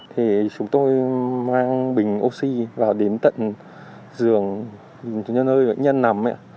thì chúng tôi mang bình oxy vào đến tận giường cho nơi bệnh nhân nằm